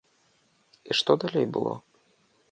І што далей было?